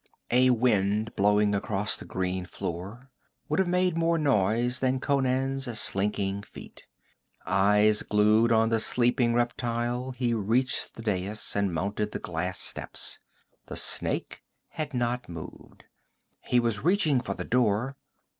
A wind blowing across the green floor would have made more noise than Conan's slinking feet. Eyes glued on the sleeping reptile he reached the dais and mounted the glass steps. The snake had not moved. He was reaching for the door....